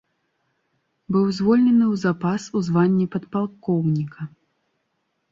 Быў звольнены ў запас у званні падпалкоўніка.